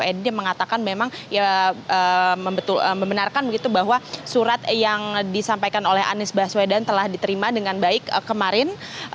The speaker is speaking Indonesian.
ini mengatakan memang membenarkan begitu bahwa surat yang disampaikan oleh anies baswedan telah diterima dengan baik kemarin